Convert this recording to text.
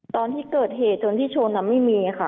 ตอนที่เกิดเหตุจนที่ชนไม่มีค่ะ